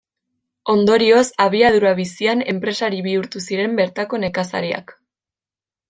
Ondorioz, abiadura bizian enpresari bihurtu ziren bertako nekazariak.